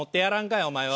いお前は！